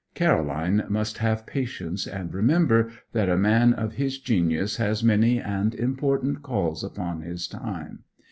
Caroline must have patience, and remember that a man of his genius has many and important calls upon his time.